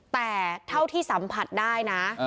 แต่เท่าที่สัมผัสได้นะ